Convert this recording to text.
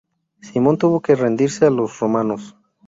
Simón tuvo que rendirse a los romanos.